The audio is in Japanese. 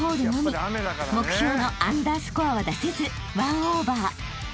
［目標のアンダースコアは出せず１オーバー］